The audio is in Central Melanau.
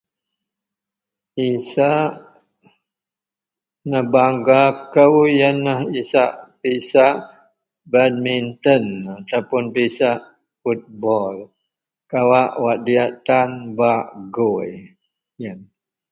Isak nebangga kou yen lah isak isak badminton, ataupuun pisak football kawak wak diyak tan bak gui. Yen.